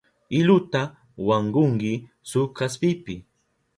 Iluta wankunki shuk kaspipi.